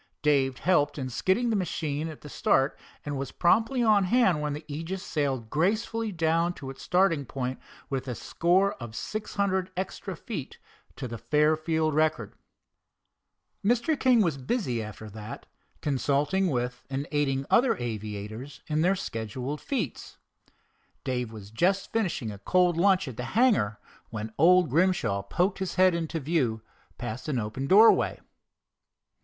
Dave helped in skidding the machine at the start, and was promptly on hand when the Aegis sailed gracefully down to its starting point with a score of six hundred extra feet to the Fairfield record. Mr. King was busy after that consulting with and aiding other aviators in their scheduled feats. Dave was just finishing a cold lunch at the hangar, when old Grimshaw poked his head into view past an open doorway.